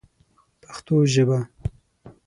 پښتو ژبه